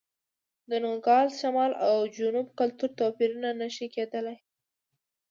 د نوګالس شمال او جنوب کلتور توپیرونه نه شي کېدای.